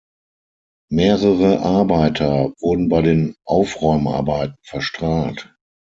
Mehrere Arbeiter wurden bei den Aufräumarbeiten verstrahlt.